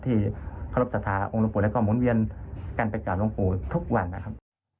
ที่ขอรับศาสตราองค์หลวงปู่และความม้วนเวียนกันไปกับหลวงปู่ทุกวันนะครับ